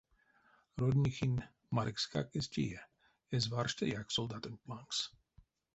Роднихин марикскак эзь тее, эзь варштаяк солдатонть лангс.